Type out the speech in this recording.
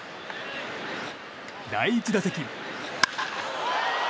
第１打席。